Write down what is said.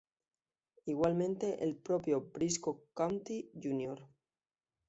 Igualmente, el propio Brisco County Jr.